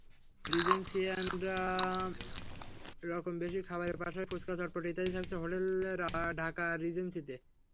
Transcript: রিজেন্সিনানা রকম দেশি খাবারের পাশাপাশি ফুচকা, চটপটি ইত্যাদি থাকছে হোটেল ঢাকা রিজেন্সিতে।